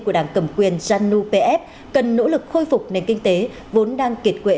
của đảng cầm quyền janu pf cần nỗ lực khôi phục nền kinh tế vốn đang kiệt quệ